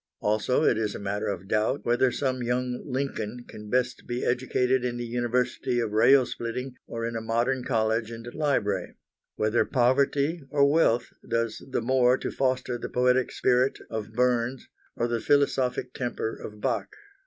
Also it is a matter of doubt whether some young Lincoln can best be educated in the university of rail splitting or in a modern college and library; whether poverty or wealth does the more to foster the poetic spirit of Burns or the philosophic temper of Bach.